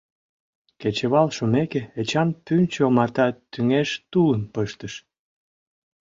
Кечывал шумеке, Эчан пӱнчӧ омарта тӱҥеш тулым пыштыш.